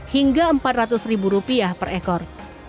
hingga rp empat ratus per ekor